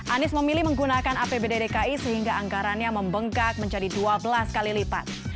anies memilih menggunakan apbd dki sehingga anggarannya membengkak menjadi dua belas kali lipat